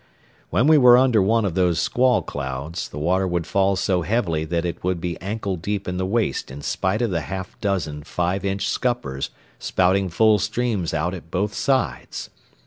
When we were under one of those squall clouds, the water would fall so heavily that it would be ankle deep in the waist in spite of the half dozen five inch scuppers spouting full streams out at both sides.